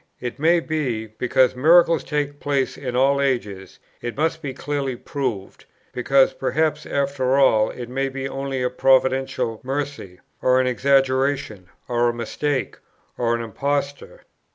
It may be, because miracles take place in all ages; it must be clearly proved, because perhaps after all it may be only a providential mercy, or an exaggeration, or a mistake, or an imposture.